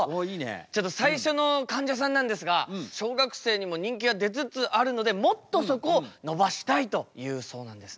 ちょっと最初のかんじゃさんなんですが小学生にも人気が出つつあるのでもっとそこを伸ばしたいというそうなんですね。